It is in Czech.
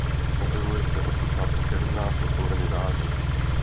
Objevuje se od počátku června do poloviny září.